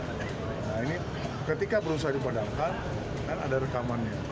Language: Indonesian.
nah ini ketika berusaha dipadamkan kan ada rekamannya